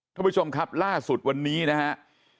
ท่านผู้ชมครับล่าสุดวันนี้นะครับ